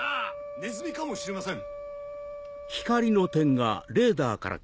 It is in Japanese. ネズミかもしれません。